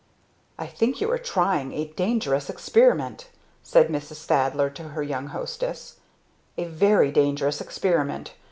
"I think you are trying a dangerous experiment!" said Mrs. Thaddler to her young hostess. "A very dangerous experiment!